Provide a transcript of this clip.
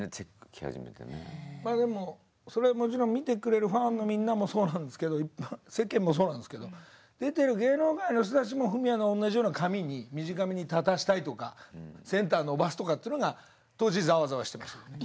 でもそれはもちろん見てくれるファンのみんなもそうなんですけど世間もそうなんですけど出てる芸能界の人たちもフミヤの同じような髪に短めに立たしたいとかセンター伸ばすとかっていうのが当時ざわざわしてましたよね。